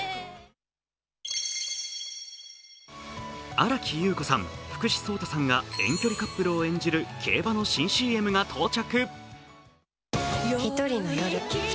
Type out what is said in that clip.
新木優子さん、福士蒼汰さんが遠距離カップルを演じる競馬の新ＣＭが到着。